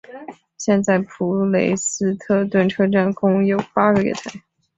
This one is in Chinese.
现在普雷斯顿车站共有八个月台。